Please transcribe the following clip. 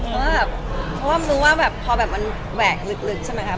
เพราะว่ามันรู้ว่าพอแบบมันแหวกลึกใช่มั้ยครับ